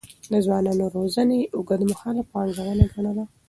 د ځوانانو روزنه يې اوږدمهاله پانګونه ګڼله.